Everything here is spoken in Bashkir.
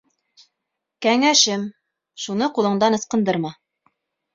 Кәңәшем: шуны ҡулыңдан ыскындырма.